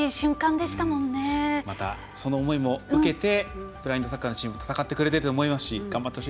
また、その思いも受けブラインドサッカーも戦っていると思います。